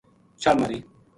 چھال ماری